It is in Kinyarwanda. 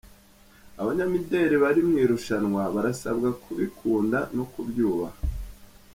Abanyamideri bari mu irushanwa barasabwa kubikunda no kubyubaha